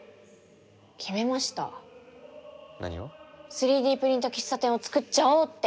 ３Ｄプリント喫茶店をつくっちゃおうって！